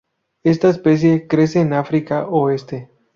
Esta especie crece en África Oeste.